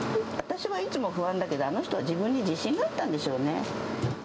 私はいつも不安だけど、あの人は自分に自信があったんでしょうね。